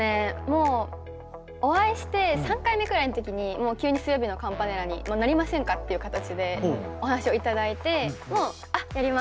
もうお会いして３回目くらいの時にもう急に「水曜日のカンパネラになりませんか？」っていう形でお話を頂いてもう「あっやります」っていう。